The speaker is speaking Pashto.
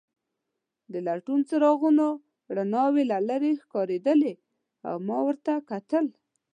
د لټون څراغونو رڼاوې له لیرې ښکارېدلې او ما ورته کتل.